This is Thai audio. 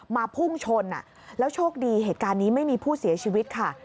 พุ่งชนแล้วโชคดีเหตุการณ์นี้ไม่มีผู้เสียชีวิตค่ะ